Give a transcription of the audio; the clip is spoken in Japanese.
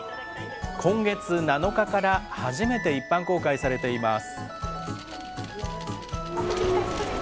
今月７日から初めて一般公開されています。